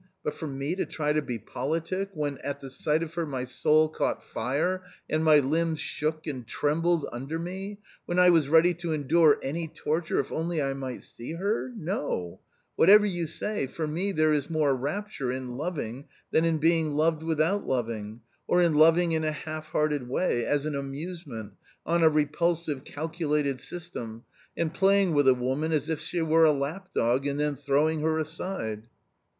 But for me to try to be politic when, at the sight of her, my soul caught fire and my limbs shook and trembled under me, when I was ready to endure any torture, if only I might see her .... No ! whatever you say, for me there is more rapture in loving with all the strength of the soul, even though one suffers, than in being loved without loving, or in loving in a half hearted way, as an amusement, on a repulsive, calculated system, and playing with a woman as if she were a lapdog and then throwing her aside."